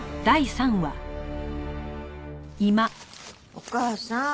お義母さん